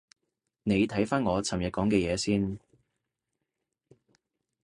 你睇返我尋日講嘅嘢先